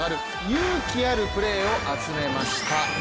勇気あるプレーを集めました。